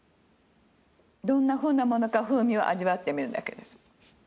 どんな風なものか風味を味わってみるだけです。